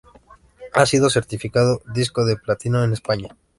Ha sido certificado disco de platino en España.